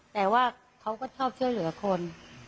แต่ว่าเขาก็ชอบช่วยเหลือคน